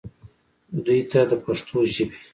دوي ته د پښتو ژبې